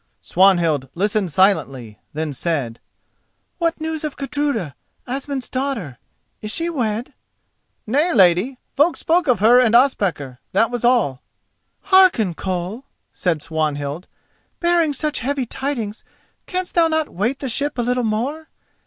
Swanhild listened silently—then said: "What news of Gudruda, Asmund's daughter? Is she wed?" "Nay, lady. Folk spoke of her and Ospakar, that was all." "Hearken, Koll," said Swanhild, "bearing such heavy tidings, canst thou not weight the ship a little more?